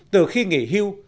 từ khi nghỉ hưu